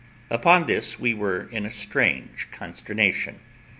Upon this we were in a strange consternation.